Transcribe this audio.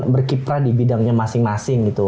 berkiprah di bidangnya masing masing gitu